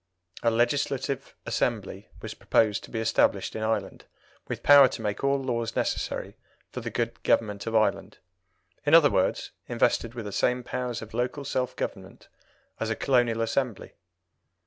A Legislative Assembly was proposed to be established in Ireland with power to make all laws necessary for the good government of Ireland in other words, invested with the same powers of local self government as a colonial Assembly.